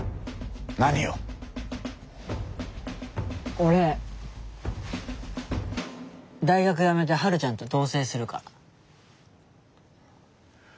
俺大学やめて春ちゃんと同棲するから。